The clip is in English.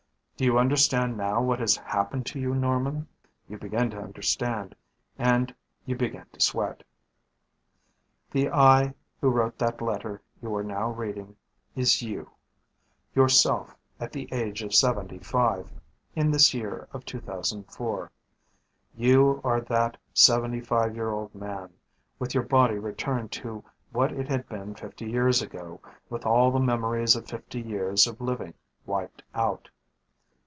"Do you understand now what has happened to you, Norman?" You begin to understand. And you begin to sweat. The I who wrote that letter you are now reading is you, yourself at the age of seventy five, in this year of 2004. You are that seventy five year old man, with your body returned to what it had been fifty years ago, with all the memories of fifty years of living wiped out.